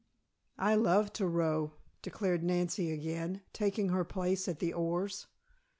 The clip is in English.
"I love to row," declared Nancy again, taking her place at the oars.